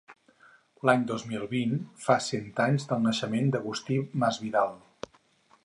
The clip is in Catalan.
L'any dos mil vint fa cent anys del naixement d'Agustí Masvidal.